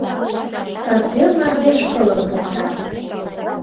Касвел мардеж пылым покта.